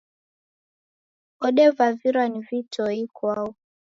Odevavirwa ni vitoe ikwau.